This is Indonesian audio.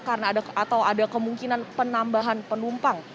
karena ada kemungkinan penambahan penumpang